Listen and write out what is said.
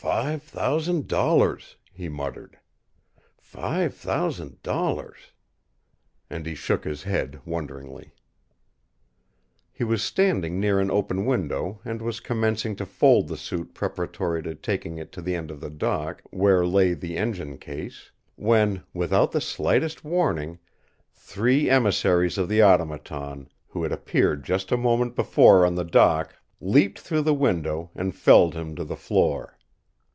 "Five thousand dollars," he muttered. "Five thousand dollars." And he shook his head wonderingly. He was standing near an open window and was commencing to fold the suit preparatory to taking it to the end of the dock where lay the engine case, when, without the slightest warning, three emissaries of the Automaton, who had appeared just a moment before on the dock, leaped through the window and felled him to the floor.